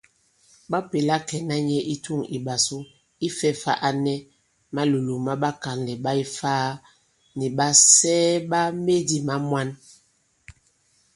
Ɓa pèla kɛ̀na nyɛ i tûŋ ìɓàsu ifɛ̄ fā a nɛ malòlòk ma ɓakànlɛ̀ ɓa Ifaa nì ɓàsɛɛ ɓa medì ma mwan.